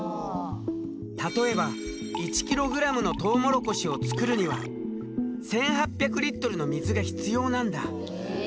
例えば１キログラムのトウモロコシを作るには１，８００リットルの水が必要なんだ。